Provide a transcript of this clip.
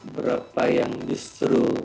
berapa yang justru